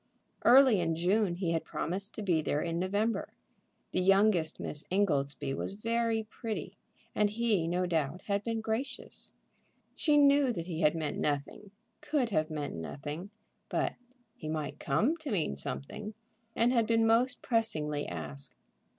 Early in June he had promised to be there in November. The youngest Miss Ingoldsby was very pretty, and he, no doubt, had been gracious. She knew that he had meant nothing, could have meant nothing. But he might come to mean something, and had been most pressingly asked.